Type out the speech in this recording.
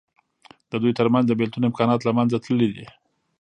د دوی تر منځ د بېلتون امکانات له منځه تللي دي.